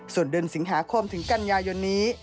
ส่วนเดือนสิงหาคมถึงกันยายนนี้